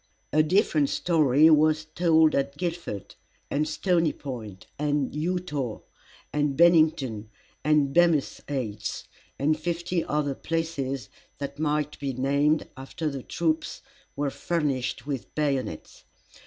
A different story was told at Guildford, and Stony Point, and Eutaw, and Bennington, and Bemis' Heights, and fifty other places that might be named, after the troops were furnished with bayonets.